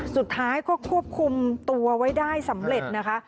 สุดท้ายก็ควบคุมตัวไว้ได้สำเร็จนะคะ